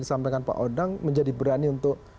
disampaikan pak odang menjadi berani untuk